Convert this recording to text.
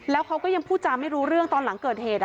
แล้วเขาก็ยังพูดจาไม่รู้เรื่องตอนหลังเกิดเหตุ